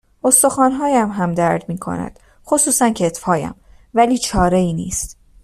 استخوانهایم هم درد میکند خصوصا کتفهایم ولی چارهای نیست